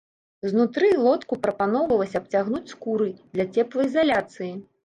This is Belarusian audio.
Знутры лодку прапаноўвалася абцягнуць скурай для цеплаізаляцыі.